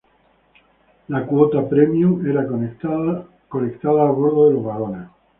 La cuota premium era colectada a bordo de los vagones.